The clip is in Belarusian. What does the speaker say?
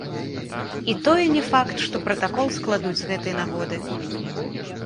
І тое не факт, што пратакол складуць з гэтай нагоды.